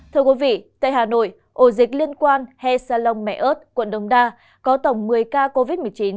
thưa quý vị tại hà nội ổ dịch liên quan he sa long mẹ ơt quận đồng đa có tổng một mươi ca covid một mươi chín